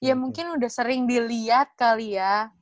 ya mungkin udah sering dilihat kali ya